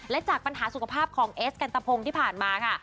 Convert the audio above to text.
และจากปัญหาสุขภาพของเอสกันตะพงที่ผ่านมาค่ะ